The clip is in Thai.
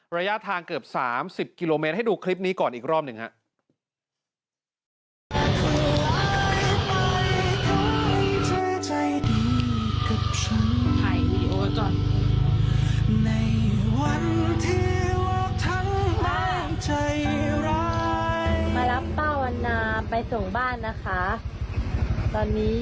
ระยะทางเกือบ๓๐กิโลเมตรให้ดูคลิปนี้ก่อนอีกรอบหนึ่งครับ